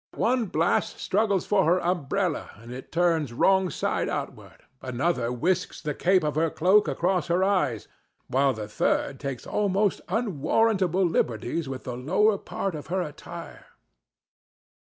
One blast struggles for her umbrella and turns it wrong side outward, another whisks the cape of her cloak across her eyes, while a third takes most unwarrantable liberties with the lower part of her attire.